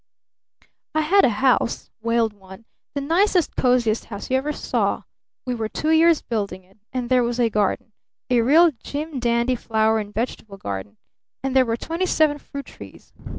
"I had a house," wailed one, "the nicest, coziest house you ever saw. We were two years building it. And there was a garden a real jim dandy flower and vegetable garden and there were twenty seven fruit trees.